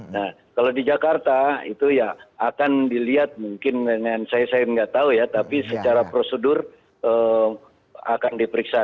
nah kalau di jakarta itu ya akan dilihat mungkin dengan saya nggak tahu ya tapi secara prosedur akan diperiksa